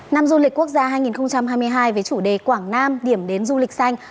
năm du lịch quốc gia hai nghìn hai mươi hai với chủ đề quảng nam điểm đến du lịch xanh